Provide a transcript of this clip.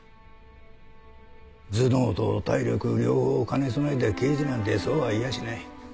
頭脳と体力両方兼ね備えた刑事なんてそうはいやしない。